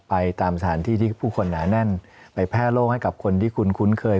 ไปตามสถานที่ที่ผู้คนหนาแน่นไปแพร่โล่งให้กับคนที่คุณคุ้นเคย